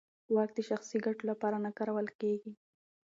واک د شخصي ګټو لپاره نه کارول کېږي.